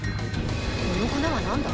この粉は何だ？